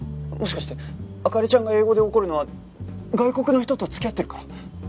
もしかして灯ちゃんが英語で怒るのは外国の人と付き合ってるから？